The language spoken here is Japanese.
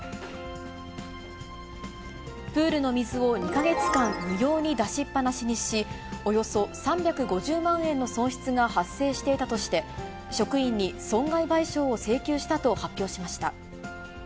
プールの水を２か月間無用に出しっ放しにし、およそ３５０万円の損失が発生していたとして、職員に損害賠償を請求したと発表しました。